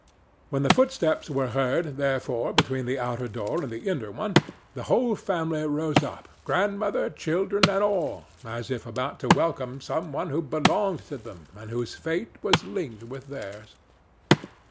When the footsteps were heard, therefore, between the outer door and the inner one, the whole family rose up, grandmother, children and all, as if about to welcome some one who belonged to them, and whose fate was linked with theirs.